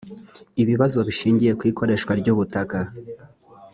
ibibazo bishingiye ku ikoreshwa ry ubutaka